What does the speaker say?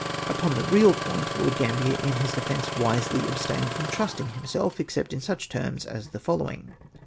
Upon the real point Lord Gambier in liis defence wisely abstained from trusting himself, except in such terms as the following.